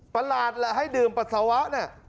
ประหลาดแหละให้ดื่มปัสสาวะเนี่ย